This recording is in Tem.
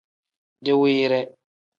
Diwiire.